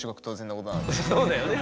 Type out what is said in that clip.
そうだよね。